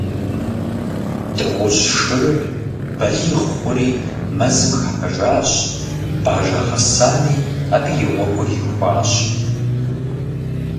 Дыгъужь шырыр балигъ хъури, мэзым хыхьэжащ, бажэ гъэсами абы и гъуэгур ихуащ.